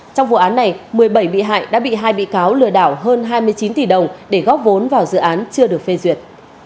trong vụ án này một mươi bảy bị hại đã bị hai bị cáo lừa đảo hơn hai mươi chín tỷ đồng để góp vốn vào dự án chưa được phê duyệt